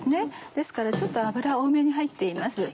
ですからちょっと油多めに入っています。